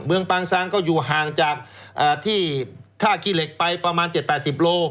ปางซางก็อยู่ห่างจากที่ท่าขี้เหล็กไปประมาณ๗๘๐โล